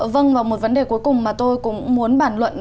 vâng và một vấn đề cuối cùng mà tôi cũng muốn bản luận